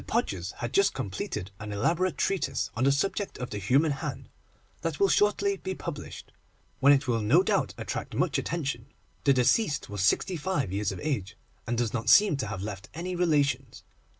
Podgers had just completed an elaborate treatise on the subject of the Human Hand, that will shortly be published, when it will no doubt attract much attention. The deceased was sixty five years of age, and does not seem to have left any relations.